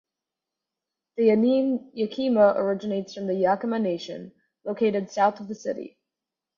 The name Yakima originates from the Yakama Nation, located south of the city.